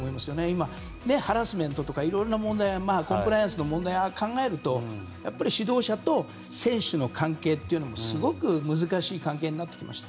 いろいろハラスメントとか今のコンプライアンスの問題を考えると、指導者と選手の関係というのがすごく難しい関係になってきました。